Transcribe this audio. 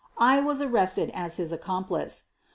I was arrested as his accomplice.